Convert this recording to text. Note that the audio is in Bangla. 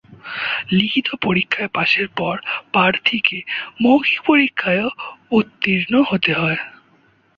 লিখিত পরীক্ষায় পাসের পর প্রার্থীকে মৌখিক পরীক্ষায়ও উত্তীর্ণ হতে হয়।